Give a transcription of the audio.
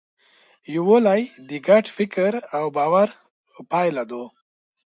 یووالی د ګډ فکر او باور پایله ده.